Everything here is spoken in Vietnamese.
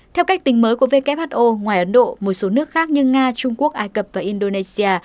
theo cách tính mới của who ngoài ấn độ một số nước khác như nga trung quốc ai cập và indonesia